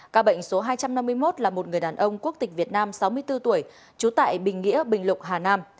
ca bệnh số hai trăm năm mươi một là một người đàn ông quốc tịch việt nam sáu mươi bốn tuổi trú tại bình nghĩa bình lục hà nam